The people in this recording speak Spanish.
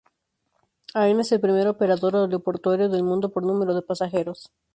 Aena es el primer operador aeroportuario del mundo por número de pasajeros.